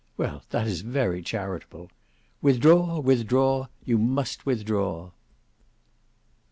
Well that is very charitable. Withdraw, withdraw; you must withdraw."